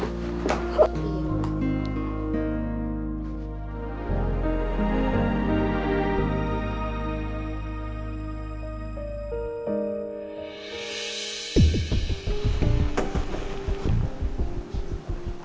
ya enak banget